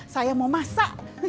saya mau masak